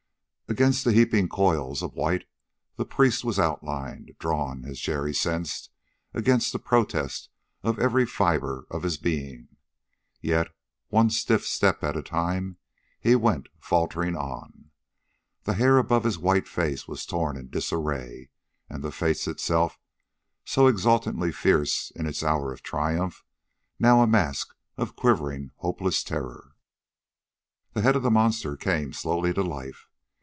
Against the heaping coils of white the priest was outlined, drawn, as Jerry sensed, against the protest of every fiber of his being. Yet, one stiff step at a time, he went faltering on. The hair above his white face was torn in disarray. And the face itself, so exultantly fierce in its hour of triumph, now a mask of quivering, hopeless terror. The head of the monster came slowly to life.